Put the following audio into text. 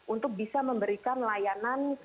untuk bisa memberikan layanan